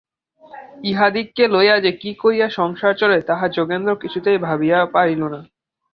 ইহাদিগকে লইয়া যে কী করিয়া সংসার চলে তাহা যোগেন্দ্র কিছুতেই ভাবিয়া পাইল না।